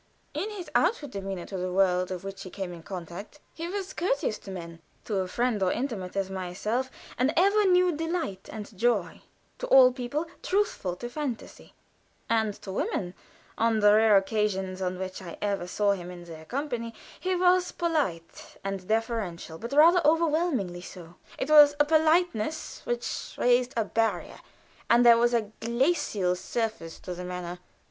In his outward demeanor to the world with which he came in contact, he was courteous to men; to a friend or intimate, as myself, an ever new delight and joy; to all people, truthful to fantasy; and to women, on the rare occasions on which I ever saw him in their company, he was polite and deferential but rather overwhelmingly so; it was a politeness which raised a barrier, and there was a glacial surface to the manner.